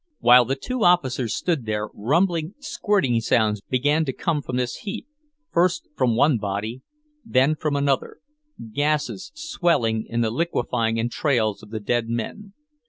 While the two officers stood there, rumbling, squirting sounds began to come from this heap, first from one body, then from another gases, swelling in the liquefying entrails of the dead men.